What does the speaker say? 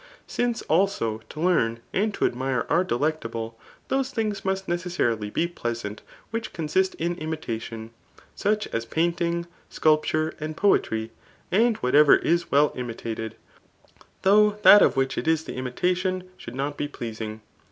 Since, also, to Ifara^ andto admire are delectable, those things must necessarily be pleasant which consist in imitation,, such as painting, sculpture' suid poetry; :an4 whatever is well imitated, though that of which it is the imitation should not be pleasing.